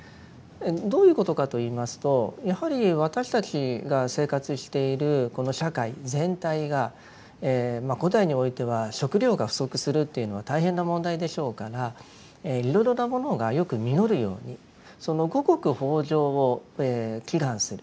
どういうことかと言いますとやはり私たちが生活しているこの社会全体が古代においては食糧が不足するというのは大変な問題でしょうからいろいろなものがよく実るようにその五穀豊穣を祈願する。